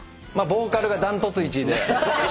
ボーカルが断トツ１位で。